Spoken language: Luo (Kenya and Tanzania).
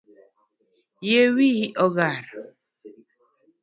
Yie wiyi ogar